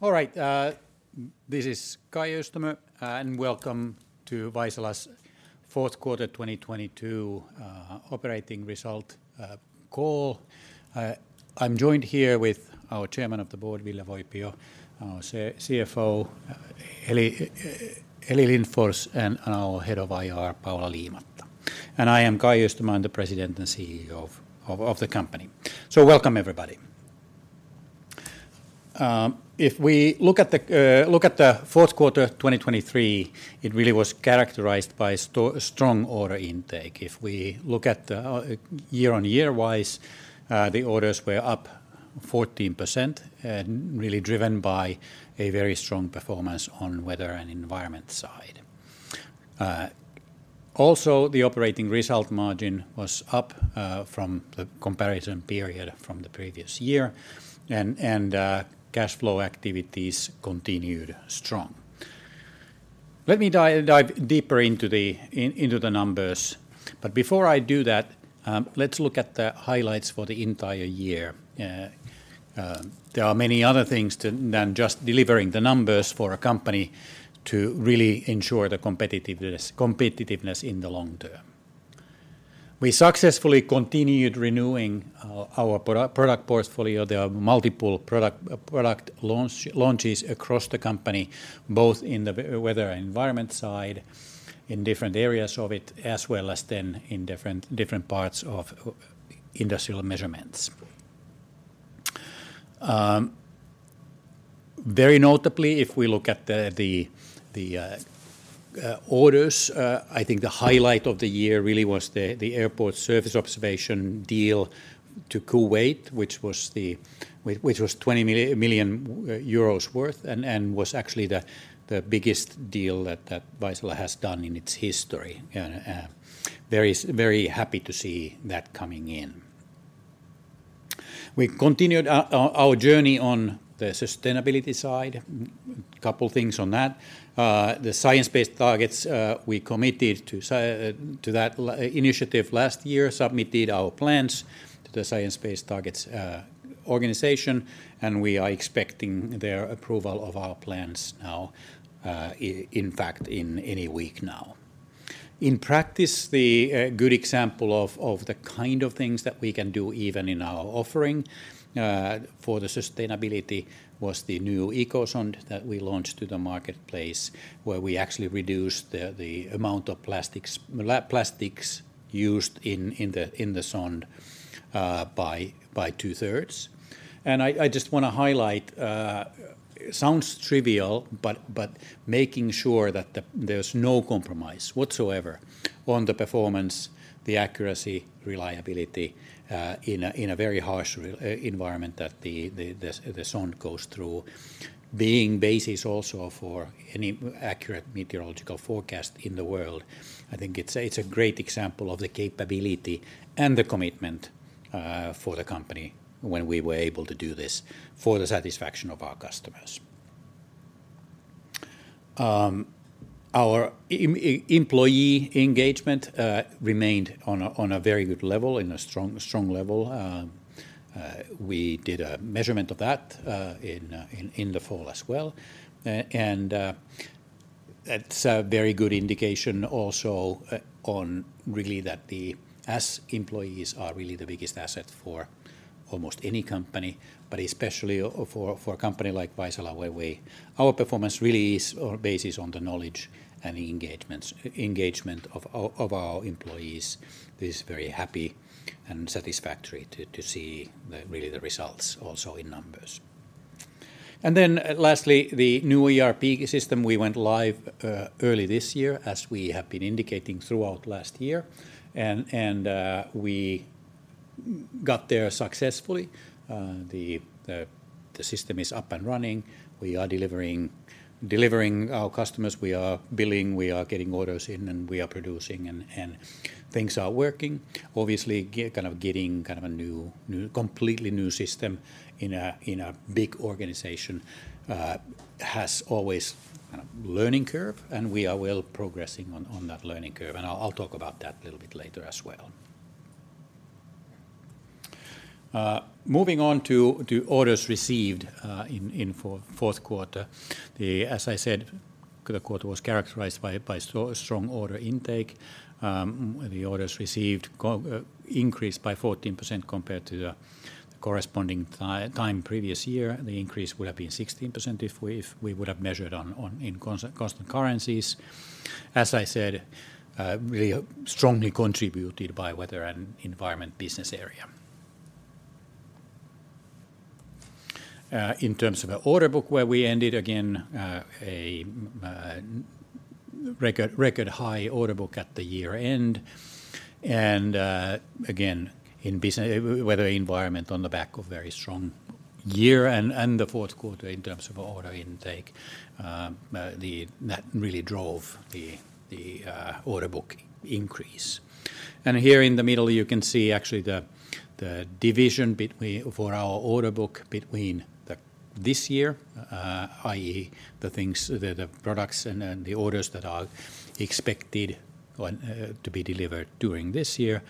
All right, this is Kai Öistämö, and welcome to Vaisala's fourth quarter 2022 operating result call. I'm joined here with our chairman of the board, Ville Voipio, our CFO, Heli Lindfors, and our head of IR, Paula Liimatta. I am Kai Öistämö, I'm the President and CEO of the company. Welcome, everybody. If we look at the fourth quarter 2022, it really was characterized by strong order intake. If we look at the year-on-year, the orders were up 14%, and really driven by a very strong performance on Weather and Environment side. Also, the operating result margin was up from the comparison period from the previous year, and cash flow activities continued strong. Let me dive deeper into the numbers, but before I do that, let's look at the highlights for the entire year. There are many other things than just delivering the numbers for a company to really ensure the competitiveness in the long term. We successfully continued renewing our product portfolio. There are multiple product launches across the company, both in the Weather and Environment side, in different areas of it, as well as then in different parts of Industrial Measurements. Very notably, if we look at the orders, I think the highlight of the year really was the airport surface observation deal to Kuwait, which was 20 million euros worth, and was actually the biggest deal that Vaisala has done in its history. Very, very happy to see that coming in. We continued our journey on the sustainability side. Couple things on that. The Science Based Targets, we committed to that initiative last year, submitted our plans to the Science Based Targets organization, and we are expecting their approval of our plans now, in fact, in any week now. In practice, a good example of the kind of things that we can do even in our offering for the sustainability was the new Ecosonde that we launched to the marketplace, where we actually reduced the amount of plastics used in the sonde by two-thirds. I just wanna highlight, sounds trivial, but making sure that there's no compromise whatsoever on the performance, the accuracy, reliability, in a very harsh environment that the sonde goes through, being basis also for any accurate meteorological forecast in the world. I think it's a great example of the capability and the commitment for the company when we were able to do this for the satisfaction of our customers. Our employee engagement remained on a very good level, in a strong level. We did a measurement of that in the fall as well. That's a very good indication also on really that the S employees are really the biggest asset for almost any company, but especially for a company like Vaisala, where our performance really is based on the knowledge and engagement of our employees. It is very happy and satisfactory to see really the results also in numbers. And then lastly, the new ERP system, we went live early this year, as we have been indicating throughout last year, and we got there successfully. The system is up and running. We are delivering our customers, we are billing, we are getting orders in, and we are producing, and things are working. Obviously, getting kind of a new, completely new system in a big organization has always a learning curve, and we are well progressing on that learning curve, and I'll talk about that a little bit later as well. Moving on to orders received in fourth quarter. As I said, the quarter was characterized by strong order intake. The orders received increased by 14% compared to the corresponding time previous year. The increase would have been 16% if we would have measured in constant currencies. As I said, we are strongly contributed by Weather and Environment business area. In terms of our order book, where we ended again a record high order book at the year-end. Again, in the Weather and Environment on the back of very strong year and the fourth quarter in terms of order intake, that really drove the order book increase. Here in the middle, you can see actually the division between for our order book between this year, i.e., the things, the products and the orders that are expected or to be delivered during this year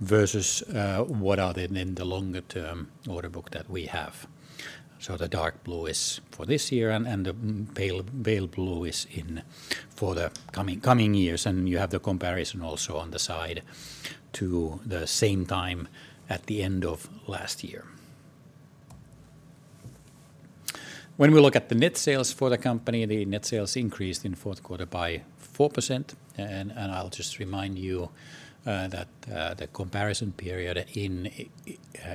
versus what are then in the longer term order book that we have. So the dark blue is for this year, and the pale blue is for the coming years. You have the comparison also on the side to the same time at the end of last year. When we look at the net sales for the company, the net sales increased in fourth quarter by 4%. I'll just remind you that the comparison period in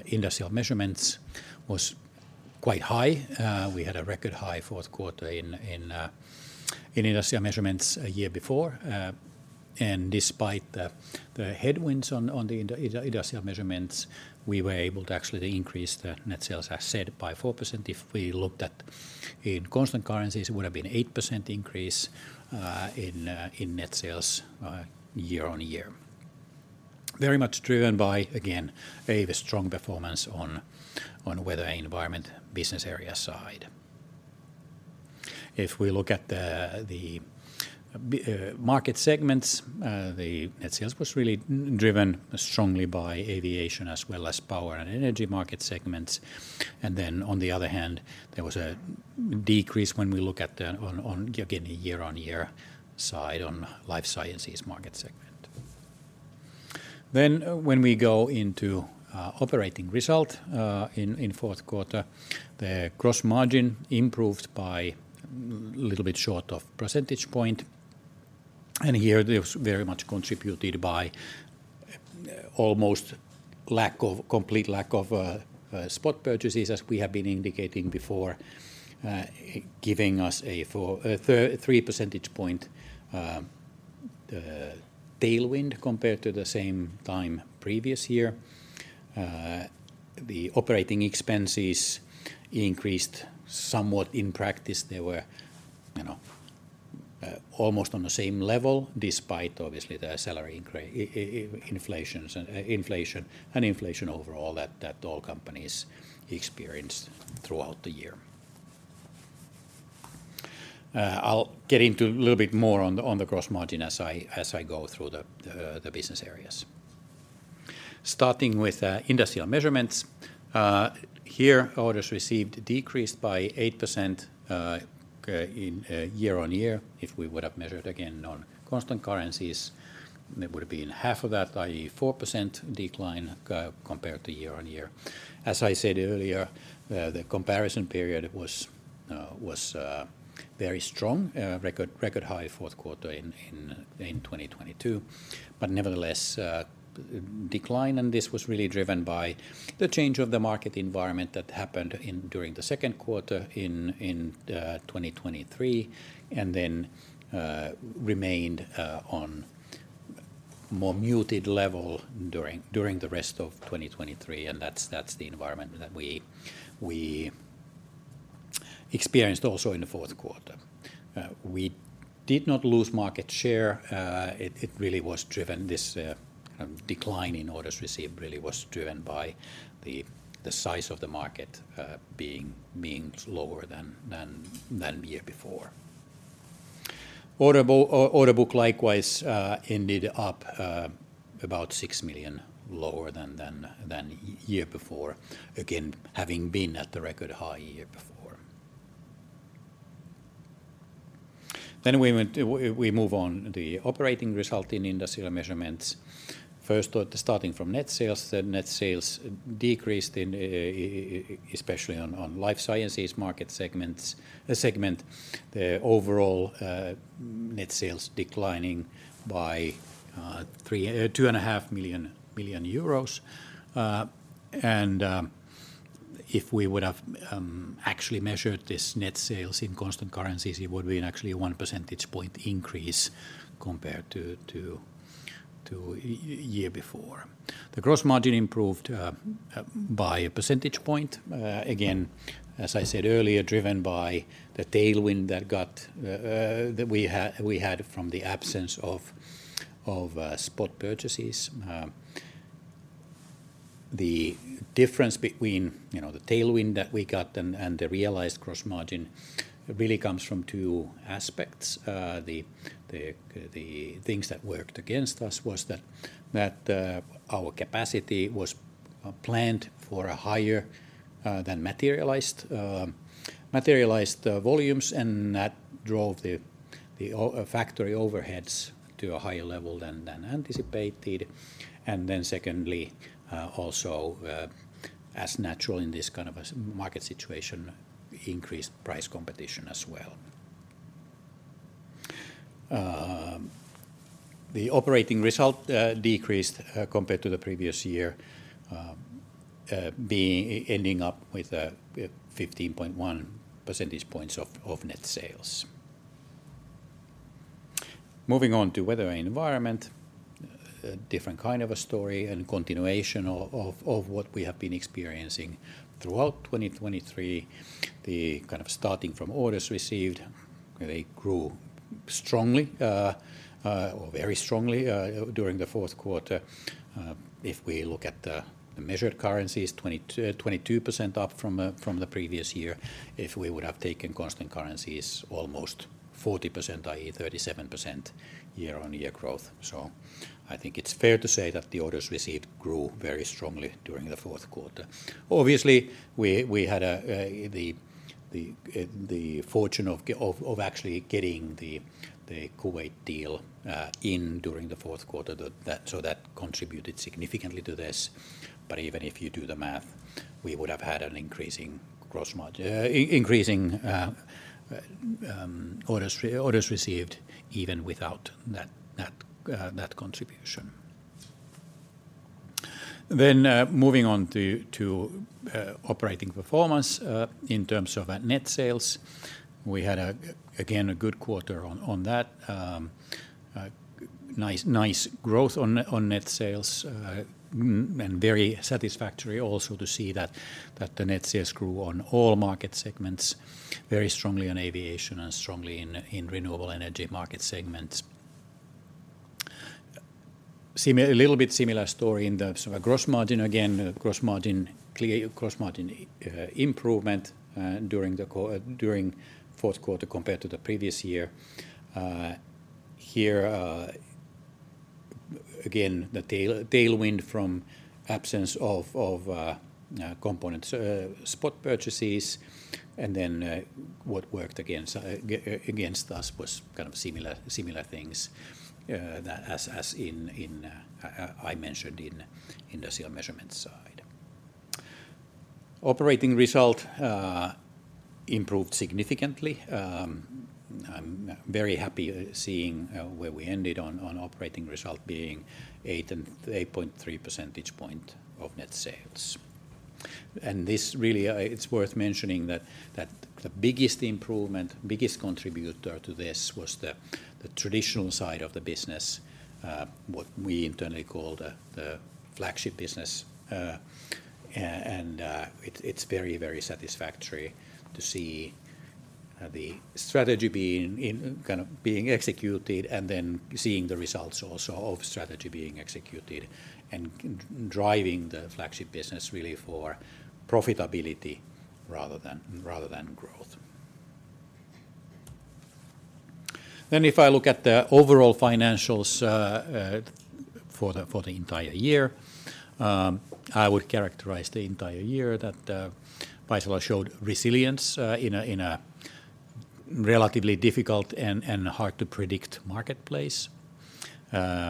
Industrial Measurements was quite high. We had a record high fourth quarter in Industrial Measurements a year before. And despite the headwinds on Industrial Measurements, we were able to actually increase the net sales, as I said, by 4%. If we looked at in constant currencies, it would have been 8% increase in net sales year-on-year. Very much driven by, again, very strong performance on Weather and Environment business area side. If we look at the market segments, the net sales was really driven strongly by aviation as well as power and energy market segments. And then on the other hand, there was a decrease when we look at the on again a year-on-year side on life sciences market segment. Then when we go into operating result in fourth quarter, the gross margin improved by little bit short of percentage point, and here there's very much contributed by almost complete lack of spot purchases, as we have been indicating before, giving us a three percentage point tailwind compared to the same time previous year. The operating expenses increased somewhat. In practice, they were, you know, almost on the same level, despite obviously the salary inflation, inflation and inflation overall that all companies experienced throughout the year. I'll get into a little bit more on the gross margin as I go through the business areas. Starting with Industrial Measurements, here, orders received decreased by 8% in year-on-year. If we would have measured again on constant currencies, it would have been half of that, i.e., 4% decline compared to year-on-year. As I said earlier, the comparison period was very strong, record high fourth quarter in 2022. But nevertheless, decline in this was really driven by the change of the market environment that happened in, during the second quarter in, in, 2023, and then, remained, on more muted level during, during the rest of 2023, and that's, that's the environment that we, we experienced also in the fourth quarter. We did not lose market share, it, it really was driven this, decline in orders received really was driven by the, the size of the market, being, being lower than, than, than the year before. Order book, likewise, ended up, about 6 million lower than, than, than year before. Again, having been at the record high year before. Then we went, we move on the operating result in Industrial Measurements. First, starting from net sales, the net sales decreased, especially on life sciences market segments, segment, the overall net sales declining by 2.5 million euros. And if we would have actually measured this net sales in constant currencies, it would be an actually 1 percentage point increase compared to year before. The gross margin improved by a percentage point, again, as I said earlier, driven by the tailwind that we had from the absence of spot purchases. The difference between, you know, the tailwind that we got and the realized gross margin really comes from two aspects. The things that worked against us was that our capacity was planned for a higher than materialized volumes, and that drove the factory overheads to a higher level than anticipated. And then secondly, also, as natural in this kind of a market situation, increased price competition as well. The operating result decreased compared to the previous year, being ending up with a 15.1 percentage points of net sales. Moving on to Weather and Environment, a different kind of a story and continuation of what we have been experiencing throughout 2023. Starting from orders received, they grew strongly, or very strongly, during the fourth quarter. If we look at the measured currencies, 22% up from the previous year. If we would have taken constant currencies, almost 40%, i.e. 37% year-on-year growth. So I think it's fair to say that the orders received grew very strongly during the fourth quarter. Obviously, we had the fortune of actually getting the Kuwait deal in during the fourth quarter, that. So that contributed significantly to this. But even if you do the math, we would have had an increasing orders received even without that contribution. Then, moving on to operating performance, in terms of our net sales, we had again a good quarter on that. Nice growth on net sales, and very satisfactory also to see that the net sales grew on all market segments, very strongly on aviation and strongly in renewable energy market segments. A little bit similar story in the sort of gross margin. Again, gross margin improvement during the fourth quarter compared to the previous year. Here, again, the tailwind from absence of component spot purchases, and then, what worked against us was kind of similar things that as in I mentioned in Industrial Measurements side. Operating result improved significantly. I'm very happy seeing where we ended on operating result being 8.3 percentage points of net sales. This really, it's worth mentioning that the biggest improvement, biggest contributor to this was the traditional side of the business, what we internally call the flagship business. And it's very, very satisfactory to see the strategy being kind of being executed, and then seeing the results also of strategy being executed and driving the flagship business really for profitability rather than growth. Then if I look at the overall financials for the entire year, I would characterize the entire year that Vaisala showed resilience in a relatively difficult and hard-to-predict marketplace. As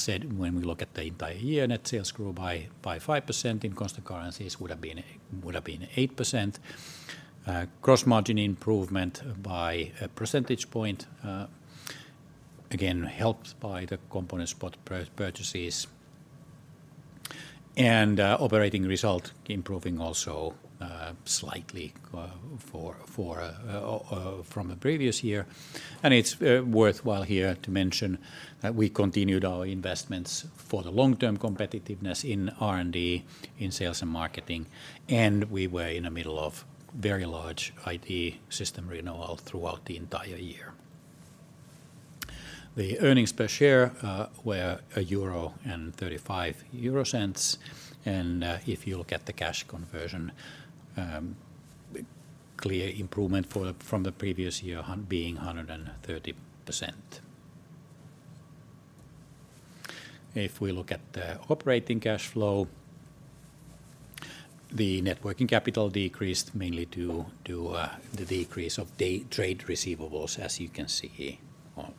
said, when we look at the entire year, net sales grew by 5%. In constant currencies, would have been 8%. Gross margin improvement by a percentage point, again, helped by the component spot purchases. Operating result improving also, slightly, from the previous year. It's worthwhile here to mention that we continued our investments for the long-term competitiveness in R&D, in sales and marketing, and we were in the middle of very large IT system renewal throughout the entire year. The earnings per share were 1.35 euro, and if you look at the cash conversion, clear improvement from the previous year, being 130%. If we look at the operating cash flow, the net working capital decreased mainly due to the decrease of the trade receivables, as you can see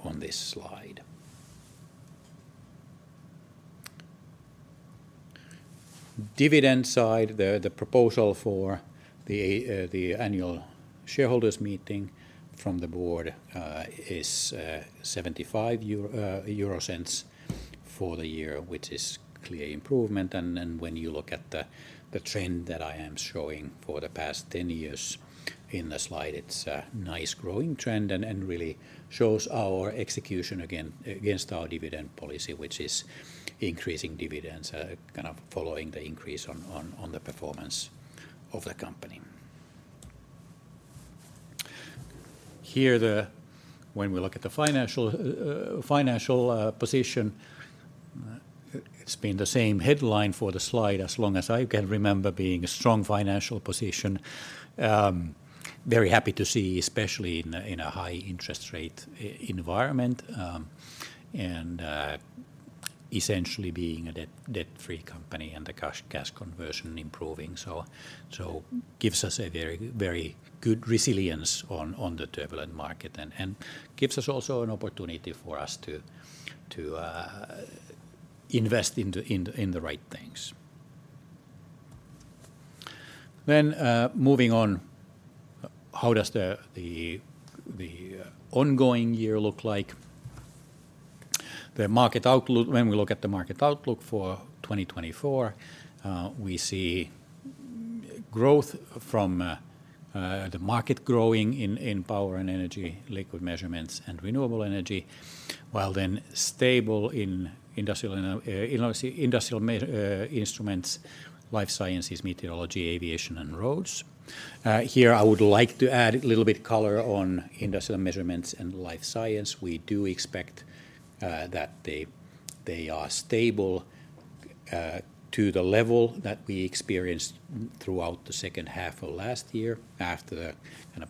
on this slide. Dividend side, the proposal for the annual shareholders meeting from the board is 0.75 euro for the year, which is clear improvement. And then, when you look at the trend that I am showing for the past 10 years in the slide, it's a nice growing trend and really shows our execution again, against our dividend policy, which is increasing dividends kind of following the increase on the performance of the company. Here, when we look at the financial position, it's been the same headline for the slide as long as I can remember, being a strong financial position. Very happy to see, especially in a high interest rate environment, and essentially being a debt-free company and the cash conversion improving. So gives us a very good resilience on the turbulent market and gives us also an opportunity for us to invest in the right things. Then, moving on, how does the ongoing year look like? The market outlook. When we look at the market outlook for 2024, we see growth from the market growing in power and energy, liquid measurements, and renewable energy, while then stable in industrial and industrial instruments, life sciences, meteorology, aviation, and roads. Here, I would like to add a little bit color on Industrial Measurements and life science. We do expect that they are stable to the level that we experienced throughout the second half of last year, after the kind of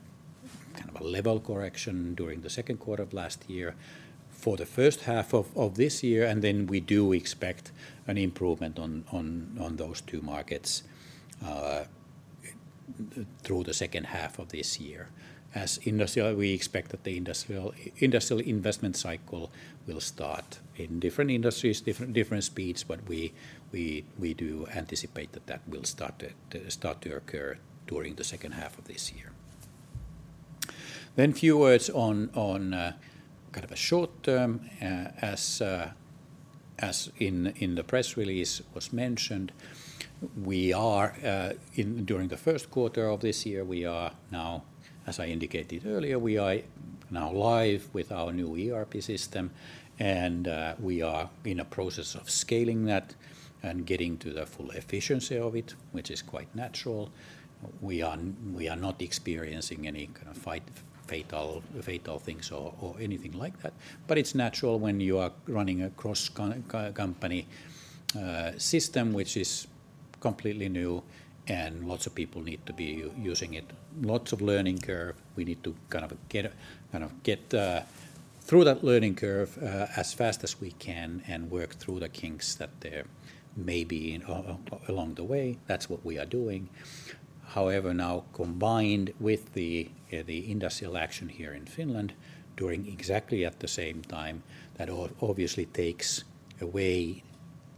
a level correction during the second quarter of last year. For the first half of this year, and then we do expect an improvement on those two markets through the second half of this year. As industrial, we expect that the industrial investment cycle will start in different industries, different speeds, but we do anticipate that that will start to occur during the second half of this year. Then a few words on kind of a short-term, as was mentioned in the press release, we are during the first quarter of this year, we are now, as I indicated earlier, we are now live with our new ERP system, and we are in a process of scaling that and getting to the full efficiency of it, which is quite natural. We are not experiencing any kind of fatal things or anything like that. But it's natural when you are running a cross-company system, which is completely new, and lots of people need to be using it. Lots of learning curve, we need to kind of get, kind of get through that learning curve as fast as we can and work through the kinks that there may be along the way. That's what we are doing. However, now, combined with the industrial action here in Finland, during exactly at the same time, that obviously takes away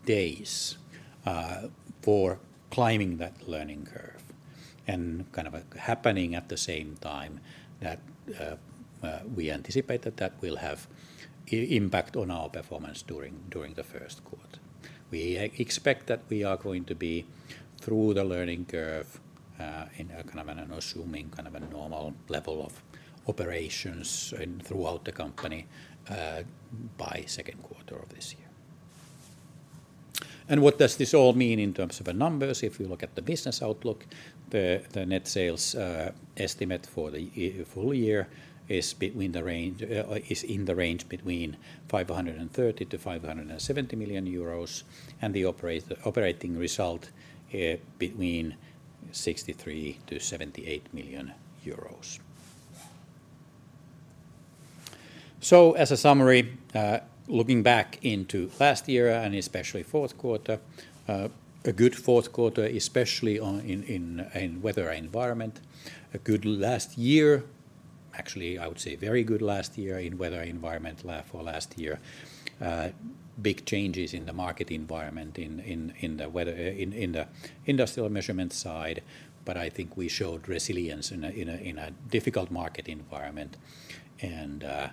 days for climbing that learning curve, and kind of happening at the same time, that we anticipate that that will have impact on our performance during the first quarter. We expect that we are going to be through the learning curve in a kind of an assuming kind of a normal level of operations and throughout the company by second quarter of this year. And what does this all mean in terms of the numbers? If you look at the business outlook, the net sales estimate for the full year is in the range between 530 million-570 million euros, and the operating result between 63 million-78 million euros. So as a summary, looking back into last year and especially fourth quarter, a good fourth quarter, especially in Weather and Environment. A good last year, actually, I would say very good last year in Weather and Environment for last year. Big changes in the market environment in the Industrial Measurements side, but I think we showed resilience in a difficult market environment, and I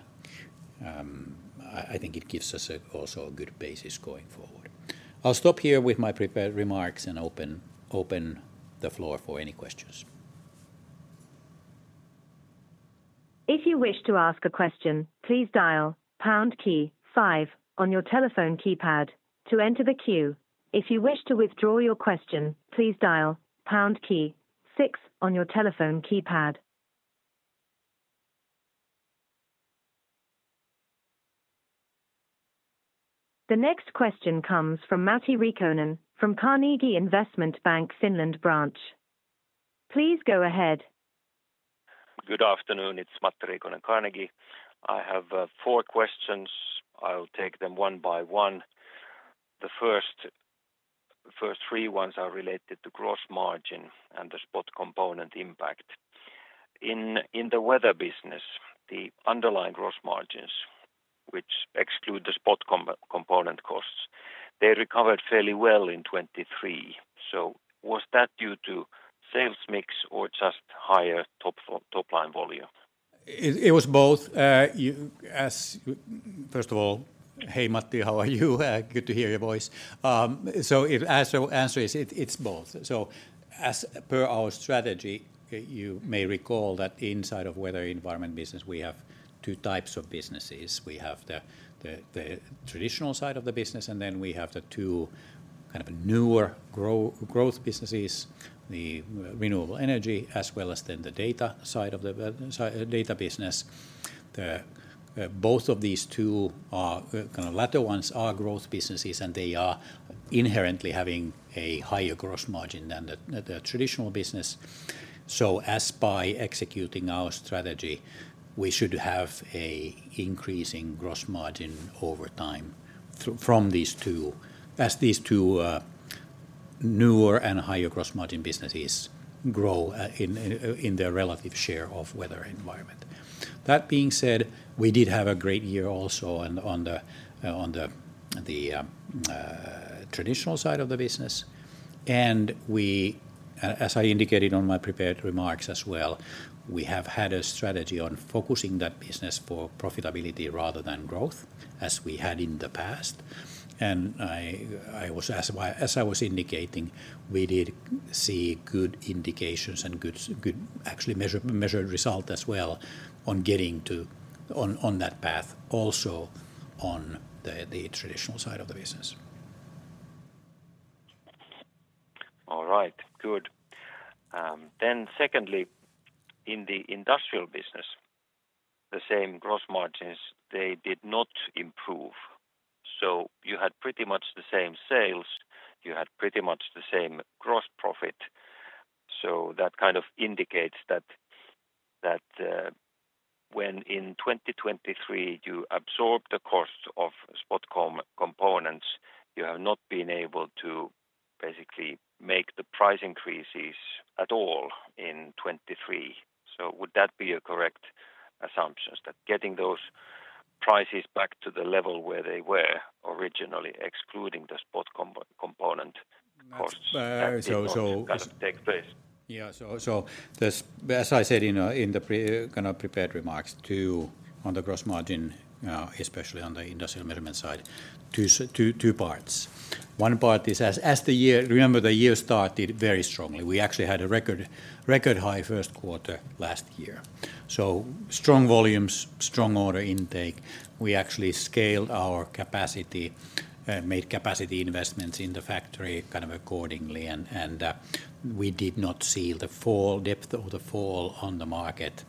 think it gives us also a good basis going forward. I'll stop here with my prepared remarks and open the floor for any questions. If you wish to ask a question, please dial pound key five on your telephone keypad to enter the queue. If you wish to withdraw your question, please dial pound key six on your telephone keypad. The next question comes from Matti Riikonen, from Carnegie Investment Bank, Finland Branch. Please go ahead. Good afternoon. It's Matti Riikonen, Carnegie. I have four questions. I'll take them one by one. The first three ones are related to gross margin and the spot component impact. In the weather business, the underlying gross margins, which exclude the spot component costs, they recovered fairly well in 2023. So was that due to sales mix or just higher top line volume? It was both. First of all, hey, Matti, how are you? Good to hear your voice. So the answer is, it's both. So as per our strategy, you may recall that inside of Weather and Environment business, we have two types of businesses. We have the traditional side of the business, and then we have the two kind of newer growth businesses: the renewable energy, as well as then the data side of the data business. Both of these two latter ones are growth businesses, and they are inherently having a higher gross margin than the traditional business. So as by executing our strategy, we should have an increasing gross margin over time from these two, as these two, newer and higher gross margin businesses grow, in their relative share of Weather and Environment. That being said, we did have a great year also on the traditional side of the business, and we as I indicated on my prepared remarks as well, we have had a strategy on focusing that business for profitability rather than growth, as we had in the past. And I was, as I was indicating, we did see good indications and good actually measured result as well on getting to, on that path, also on the traditional side of the business. All right, good. Then secondly, in the industrial business, the same gross margins, they did not improve. So you had pretty much the same sales, you had pretty much the same gross profit. So that kind of indicates that, that, when in 2023, you absorb the cost of spot component costs, you have not been able to basically make the price increases at all in 2023. So would that be a correct assumption, that getting those prices back to the level where they were originally, excluding the spot component costs-kind of take place? Yeah, so there's. As I said in the pre, kind of, prepared remarks to, on the gross margin, especially on the Industrial Measurements side, two parts. One part is as the year. Remember, the year started very strongly. We actually had a record high first quarter last year. So strong volumes, strong order intake, we actually scaled our capacity, made capacity investments in the factory kind of accordingly, and we did not see the depth of the fall on the market,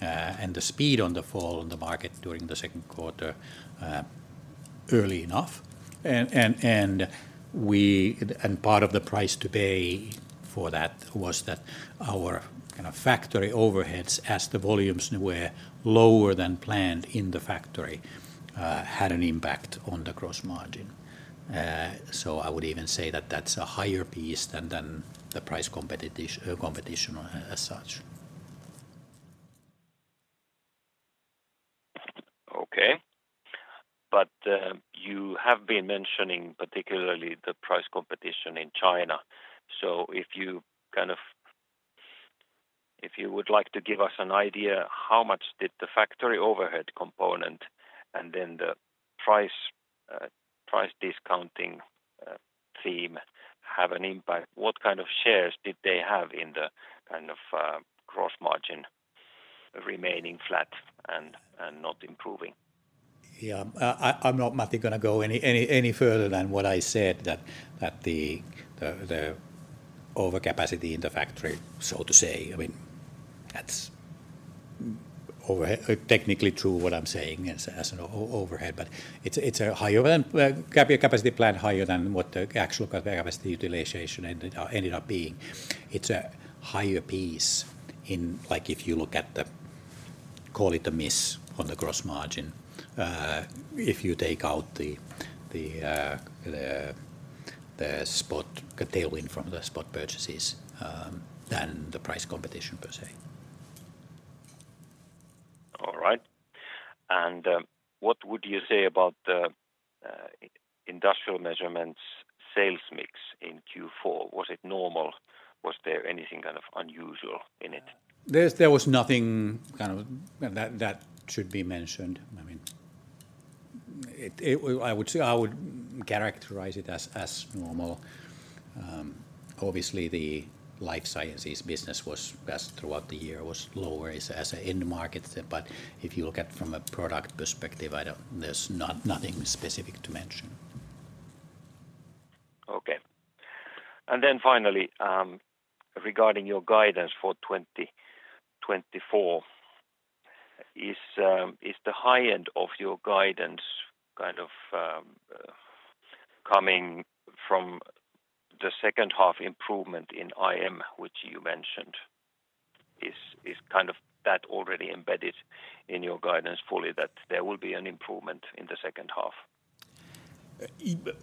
and the speed on the fall on the market during the second quarter early enough. And part of the price to pay for that was that our kind of factory overheads, as the volumes were lower than planned in the factory, had an impact on the gross margin. So I would even say that that's a higher piece than the price competition as such. Okay. But, you have been mentioning particularly the price competition in China. So if you, kind of... If you would like to give us an idea, how much did the factory overhead component and then the price, price discounting, theme, have an impact? What kind of shares did they have in the, kind of, gross margin remaining flat and not improving? Yeah. I'm not, Matti, gonna go any further than what I said, that the overcapacity in the factory, so to say. I mean, that's over- technically true, what I'm saying, as an overhead, but it's a higher than capacity plan, higher than what the actual capacity utilization ended up being. It's a higher piece in, like, if you look at the, call it the miss on the gross margin, if you take out the tailwind from the spot purchases, than the price competition per se. All right. And, what would you say about the Industrial Measurements sales mix in Q4? Was it normal? Was there anything kind of unusual in it? There was nothing kind of that should be mentioned. I mean, it, I would say, I would characterize it as normal. Obviously, the life sciences business was best throughout the year, was lower as an end market. But if you look at from a product perspective, I don't... There's not nothing specific to mention. Okay. And then finally, regarding your guidance for 2024, is the high end of your guidance kind of coming from the second half improvement in IM, which you mentioned? Is kind of that already embedded in your guidance fully, that there will be an improvement in the second half?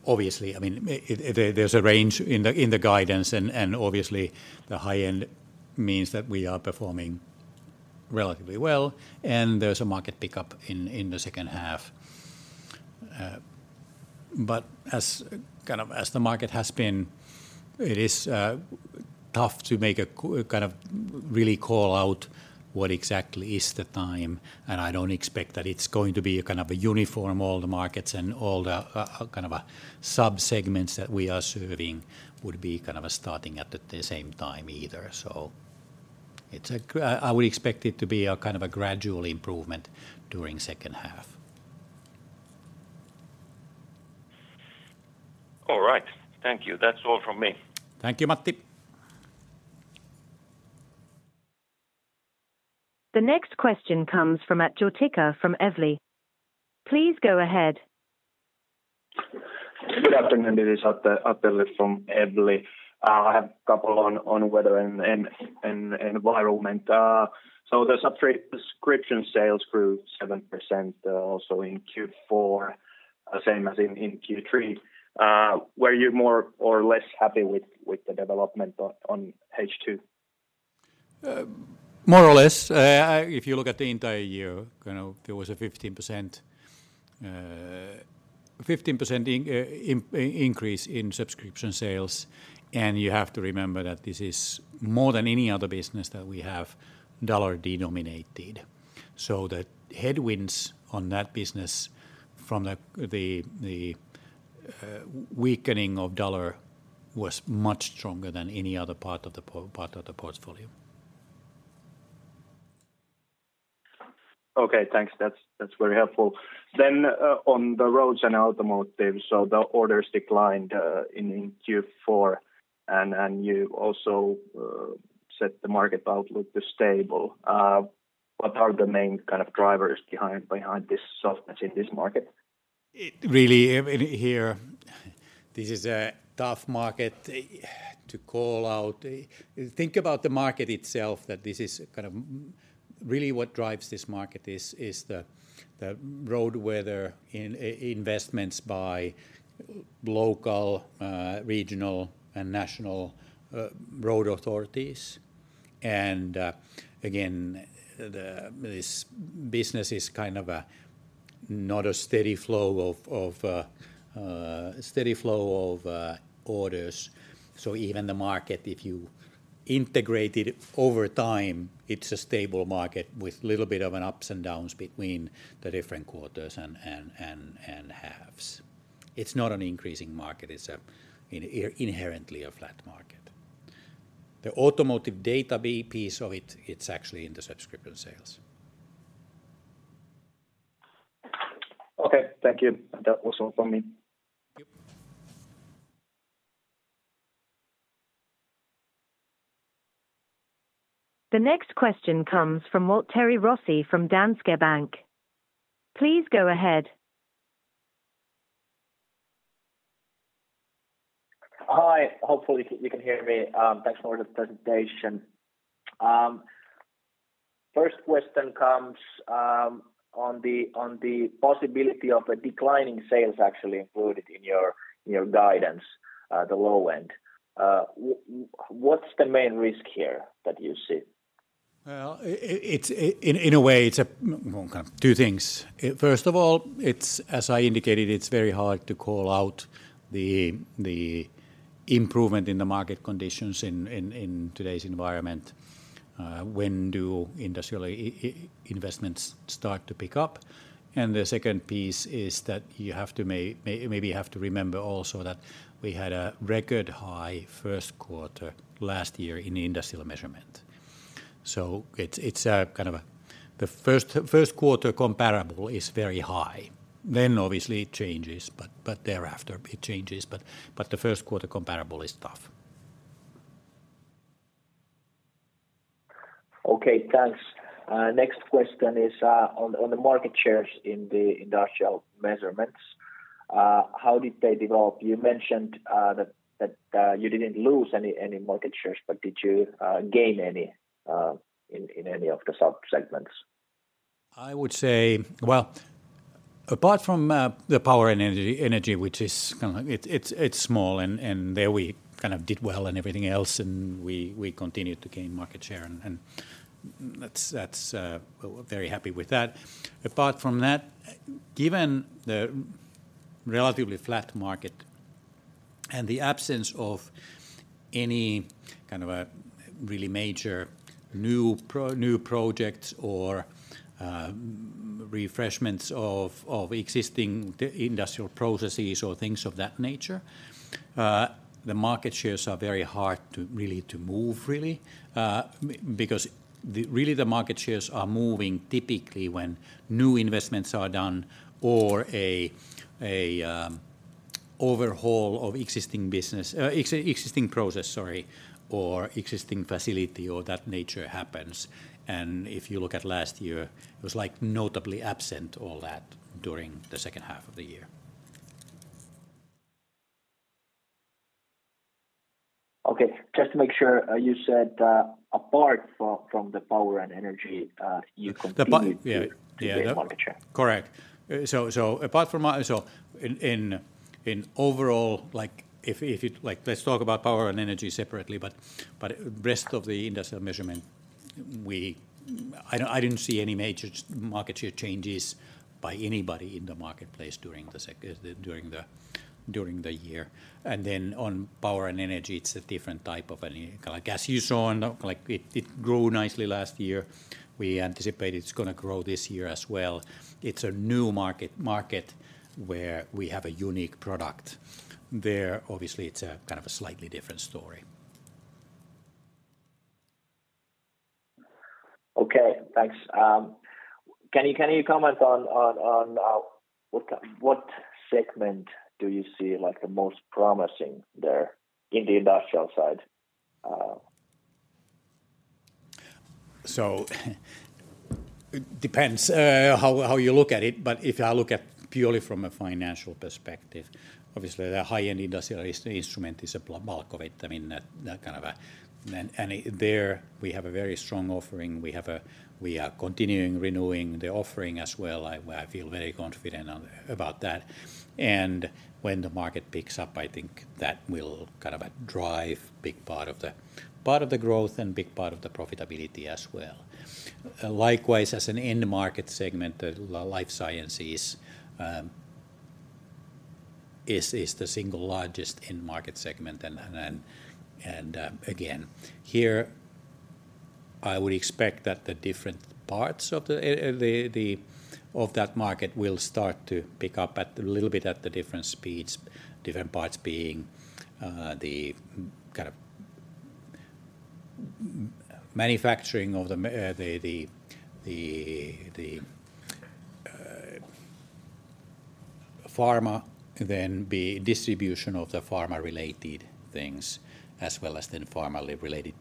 Obviously, I mean, there's a range in the guidance and obviously, the high end means that we are performing relatively well, and there's a market pickup in the second half. But as kind of as the market has been, it is tough to make a kind of really call out what exactly is the time, and I don't expect that it's going to be a kind of a uniform, all the markets and all the kind of a subsegments that we are serving would be kind of starting at the same time either. So, I would expect it to be a kind of a gradual improvement during second half. All right. Thank you. That's all from me. Thank you, Matti. The next question comes from Atte Jortikka from Evli. Please go ahead. Good afternoon. It is Atte, Atte from Evli. I have a couple on Weather and Environment. So the subscription sales grew 7%, also in Q4, same as in Q3. Were you more or less happy with the development on H2? More or less, if you look at the entire year, kind of, there was a 15% increase in subscription sales, and you have to remember that this is more than any other business that we have dollar-denominated. So the headwinds on that business from the weakening of the dollar was much stronger than any other part of the portfolio. Okay, thanks. That's very helpful. Then on the roads and automotive, so the orders declined in Q4, and you also set the market outlook to stable. What are the main kind of drivers behind this softness in this market? It really, in here, this is a tough market to call out. Think about the market itself, that this is kind of really what drives this market is the road weather investments by local, regional, and national road authorities. And, again, this business is kind of not a steady flow of orders. So even the market, if you integrate it over time, it's a stable market with little bit of an ups and downs between the different quarters and halves. It's not an increasing market, it's inherently a flat market. The automotive database piece of it, it's actually in the subscription sales. Okay, thank you. That was all from me. The next question comes from Waltteri Rossi from Danske Bank. Please go ahead. Hi, hopefully you can hear me. Thanks for the presentation. First question comes on the possibility of a declining sales actually included in your guidance, the low end. What's the main risk here that you see? Well, in a way, it's a well, kind of two things. First of all, it's, as I indicated, it's very hard to call out the improvement in the market conditions in today's environment. When do industrial investments start to pick up? And the second piece is that you have to maybe remember also that we had a record high first quarter last year in Industrial Measurements. So it's a kind of a... The first quarter comparable is very high. Then obviously it changes, but thereafter it changes, but the first quarter comparable is tough. Okay, thanks. Next question is on the market shares in the Industrial Measurements. How did they develop? You mentioned that you didn't lose any market shares, but did you gain any in any of the sub-segments? I would say, well, apart from the power and energy, which is kind of. It's small and there we kind of did well and everything else, and we continued to gain market share, and that's what we're very happy with that. Apart from that, given the relatively flat market and the absence of any kind of a really major new projects or refreshments of existing industrial processes or things of that nature, the market shares are very hard to really move, really. Because, really, the market shares are moving typically when new investments are done or an overhaul of existing business, existing process, sorry, or existing facility, or that nature happens. If you look at last year, it was like notably absent all that during the second half of the year. Okay, just to make sure, you said, apart from the power and energy, you-continued-to gain market share. Yeah, yeah Correct. So apart from my-- So in overall, like, if you-- Like, let's talk about power and energy separately, but rest of the Industrial Measurements, we... I don't, I didn't see any major market share changes by anybody in the marketplace during the year. And then on power and energy, it's a different type of an... Like, as you saw, like it grew nicely last year. We anticipate it's gonna grow this year as well. It's a new market where we have a unique product. There, obviously, it's a kind of a slightly different story. Okay, thanks. Can you comment on what segment do you see, like the most promising there in the industrial side? So it depends how you look at it. But if I look at purely from a financial perspective, obviously the high-end industrial instrument is a bulk of it. I mean, that kind of a... And there, we have a very strong offering. We are continuing renewing the offering as well. Well, I feel very confident about that. And when the market picks up, I think that will kind of drive big part of the growth and big part of the profitability as well. Likewise, as an end market segment, the life sciences is the single largest end market segment. Again, here, I would expect that the different parts of that market will start to pick up a little bit at different speeds, different parts being the manufacturing of the pharma, then the distribution of the pharma-related things, as well as the pharma-related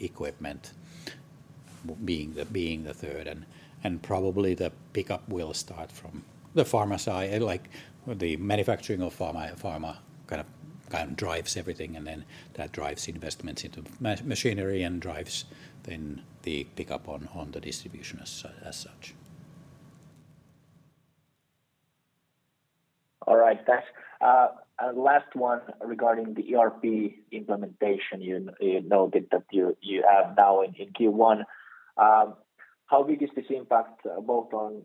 equipment being the third. Probably the pickup will start from the pharma side, and like the manufacturing of pharma, pharma kind of drives everything, and then that drives investments into machinery and drives then the pickup on the distribution as such. All right, thanks. Last one regarding the ERP implementation. You noted that you have now in Q1. How big is this impact, both on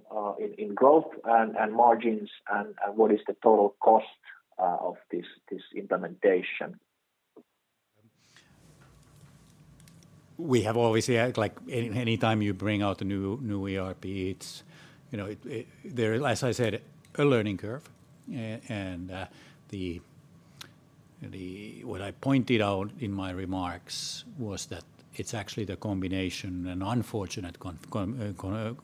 growth and margins, and what is the total cost of this implementation? We have always said, like, anytime you bring out a new ERP, it's, you know, it. There is, as I said, a learning curve. And what I pointed out in my remarks was that it's actually the combination and unfortunate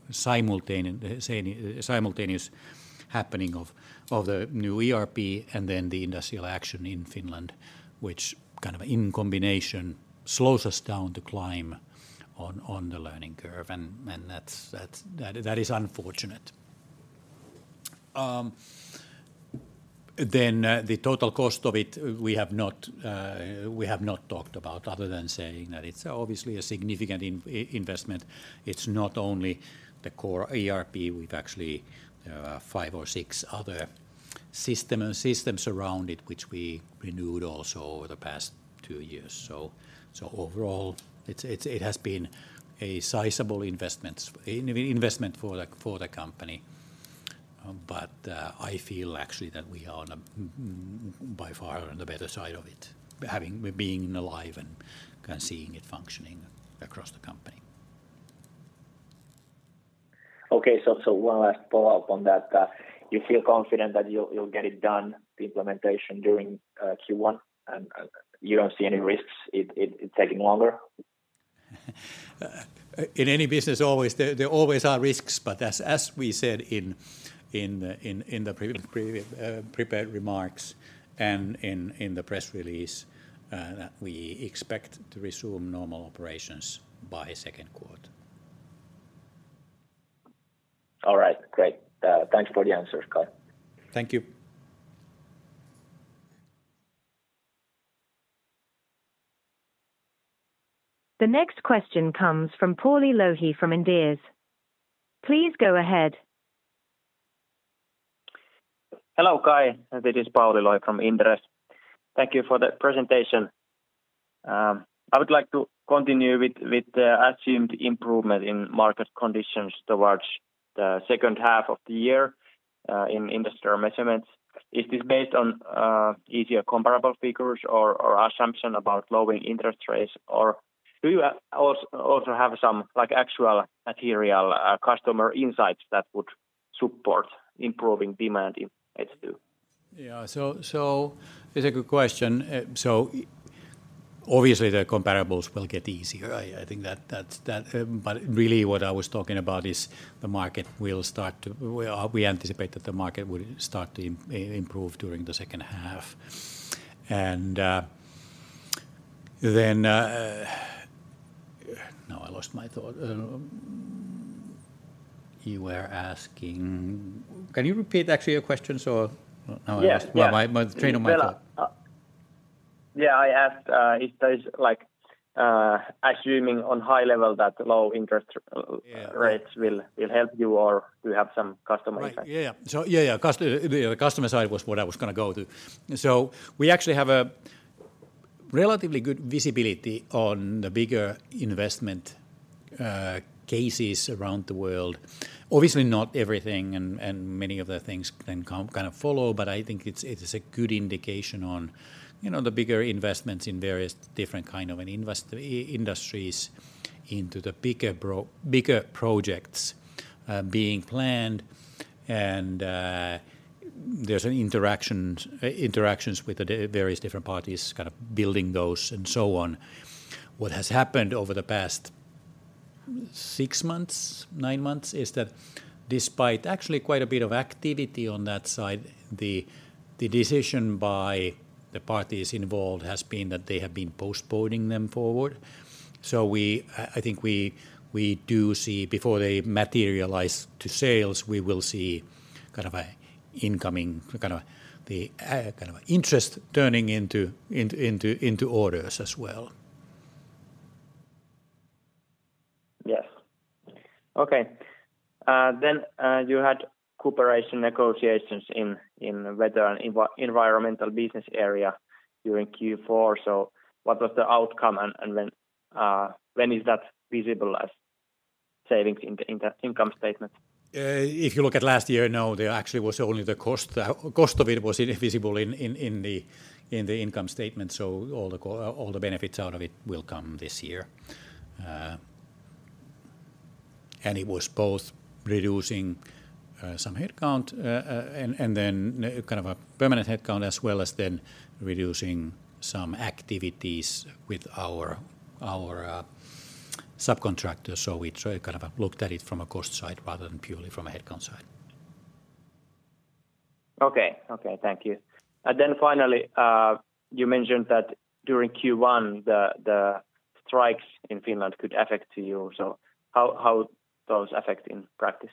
simultaneous happening of the new ERP and then the industrial action in Finland, which kind of in combination slows us down to climb on the learning curve, and that's unfortunate. Then the total cost of it, we have not talked about, other than saying that it's obviously a significant investment. It's not only the core ERP, we've actually five or six other systems around it, which we renewed also over the past two years. So overall, it has been a sizable investment for the company. But I feel actually that we are, by far, on the better side of it, having been alive and kind of seeing it functioning across the company. Okay, so one last follow-up on that. You feel confident that you'll get it done, the implementation, during Q1, and you don't see any risks it taking longer? In any business, always there are risks, but as we said in the prepared remarks and in the press release, that we expect to resume normal operations by second quarter. All right, great. Thanks for the answers, Kai. Thank you. The next question comes from Pauli Louhi from Inderes. Please go ahead. Hello, Kai. This is Pauli Lohi from Inderes. Thank you for the presentation. I would like to continue with the assumed improvement in market conditions towards the second half of the year in Industrial Measurements. Is this based on easier comparable figures or assumption about lowering interest rates? Or do you also have some, like, actual material customer insights that would support improving demand in H2? Yeah, so it's a good question. So obviously, the comparables will get easier. I think that's that. But really, what I was talking about is the market will start to - well, we anticipate that the market will start to improve during the second half. And then... Now I lost my thought. You were asking... Can you repeat actually your question, so- Yes, yes .Now I lost my train of thought. Yeah, I asked, if there is, like, assuming on high level that low interest rates will help you, or do you have some customer insight? Right. Yeah, yeah. So yeah, yeah, the customer side was what I was gonna go to. So we actually have a relatively good visibility on the bigger investment cases around the world. Obviously, not everything, and many of the things then come kind of follow, but I think it is a good indication on, you know, the bigger investments in various different kind of industries into the bigger projects being planned. And there's interactions with the various different parties, kind of building those and so on. What has happened over the past six months, nine months, is that despite actually quite a bit of activity on that side, the decision by the parties involved has been that they have been postponing them forward. So, I think we do see before they materialize to sales, we will see kind of a incoming kind of interest turning into orders as well. Yes. Okay. Then you had cooperation negotiations in the Weather and Environmental business area during Q4. So what was the outcome, and when is that visible as savings in the income statement? If you look at last year, no, there actually was only the cost. The cost of it was invisible in the income statement, so all the benefits out of it will come this year... and it was both reducing and then kind of a permanent headcount, as well as then reducing some activities with our subcontractor. So we try kind of looked at it from a cost side rather than purely from a headcount side. Okay. Okay, thank you. And then finally, you mentioned that during Q1, the strikes in Finland could affect you. So how those affect in practice?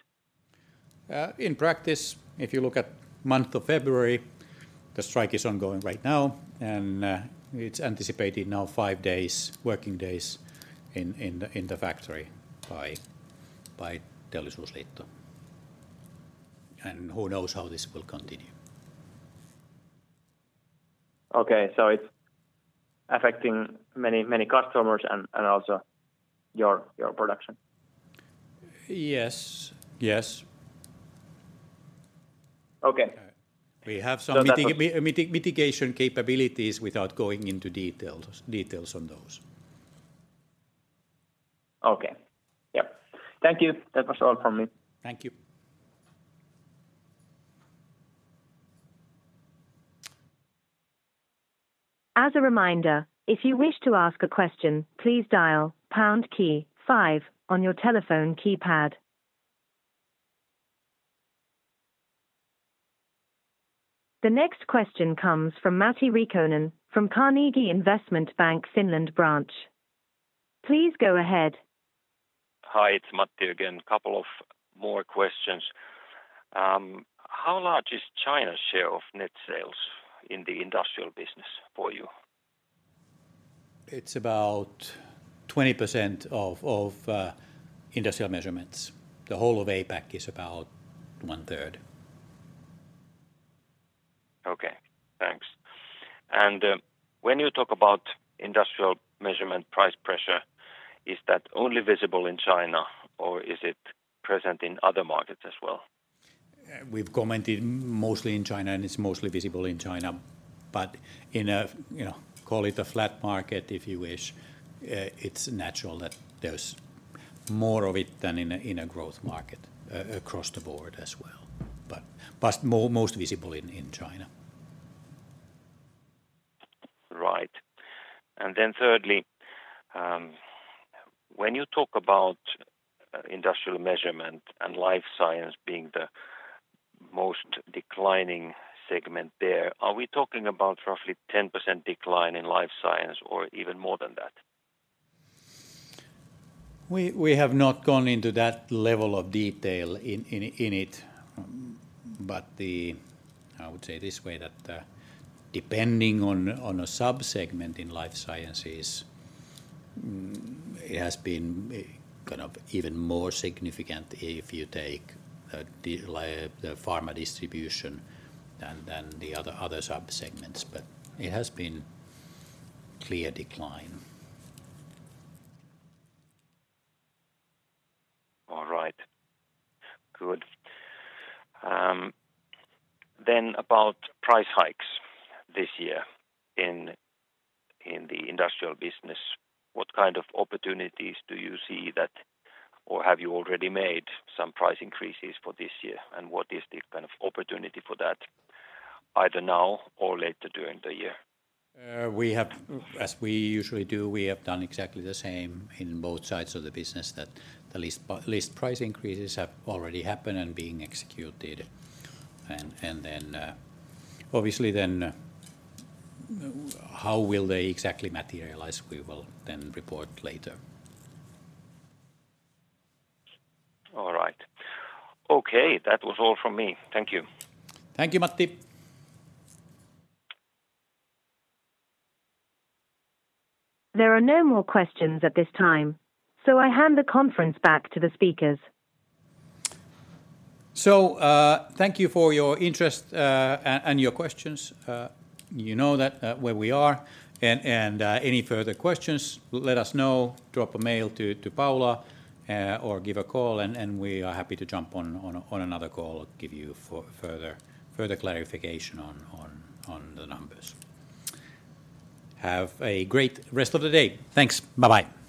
In practice, if you look at month of February, the strike is ongoing right now, and it's anticipated now 5 days, working days in the factory by Teollisuusliitto. And who knows how this will continue? Okay, so it's affecting many, many customers and, and also your, your production? Yes. Yes. Okay. We have some-mitigation capabilities without going into details on those. Okay. Yeah. Thank you. That was all from me. Thank you. As a reminder, if you wish to ask a question, please dial pound key five on your telephone keypad. The next question comes from Matti Riikonen, from Carnegie Investment Bank, Finland branch. Please go ahead. Hi, it's Matti again. Couple of more questions. How large is China's share of net sales in the industrial business for you? It's about 20% of Industrial Measurements. The whole of APAC is about one-third. Okay, thanks. And, when you talk about Industrial Measurements price pressure, is that only visible in China or is it present in other markets as well? We've commented mostly in China, and it's mostly visible in China, but in, you know, call it a flat market, if you wish, it's natural that there's more of it than in a growth market across the board as well, but most visible in China. Right. And then thirdly, when you talk about Industrial Measurements and life science being the most declining segment there, are we talking about roughly 10% decline in life science or even more than that? We have not gone into that level of detail in it, but... I would say this way, that depending on a sub-segment in life sciences, it has been kind of even more significant if you take the pharma distribution than the other sub-segments, but it has been clear decline. All right. Good. Then about price hikes this year in the industrial business, what kind of opportunities do you see that or have you already made some price increases for this year? And what is the kind of opportunity for that, either now or later during the year? We have, as we usually do, we have done exactly the same in both sides of the business, that the least price increases have already happened and being executed. And, and then, obviously, then, how will they exactly materialize? We will then report later. All right. Okay, that was all from me. Thank you. Thank you, Matti. There are no more questions at this time, so I hand the conference back to the speakers. So, thank you for your interest and your questions. You know that where we are, and any further questions, let us know. Drop a mail to Paula or give a call, and we are happy to jump on another call and give you further clarification on the numbers. Have a great rest of the day. Thanks. Bye-bye.